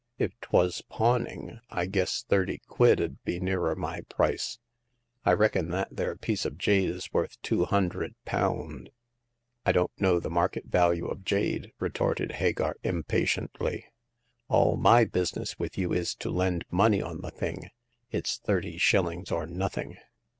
If 'twas pawning, I guess thirty quid 'ud be nearer my price. I reckon that there piece of jade is worth two hundred pound !"" I don't know the market value of jade," re torted Hagar, impatiently. A11 my business with you is to lend money on the thing. It's thirty shillings or nothing."